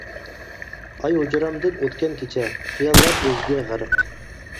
ئاي ھۇجرامدىن ئۆتكەن كېچە، خىياللار ئۆزىگە غەرق.